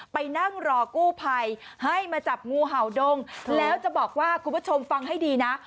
ไปนั่งรอกู้ภัยให้มาจับงูเห่าดงแล้วจะบอกว่าคุณผู้ชมฟังให้ดีนะ